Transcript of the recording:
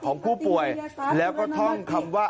ของผู้ป่วยแล้วก็ท่องคำว่า